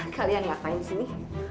kalian ngapain di sini